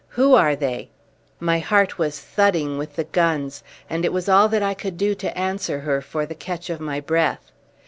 Who are they?" My heart was thudding with the guns, and it was all that I could do to answer her for the catch of my breath.